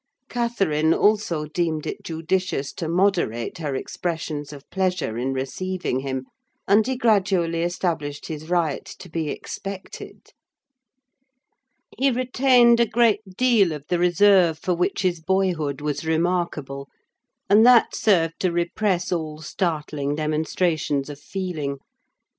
Catherine, also, deemed it judicious to moderate her expressions of pleasure in receiving him; and he gradually established his right to be expected. He retained a great deal of the reserve for which his boyhood was remarkable; and that served to repress all startling demonstrations of feeling.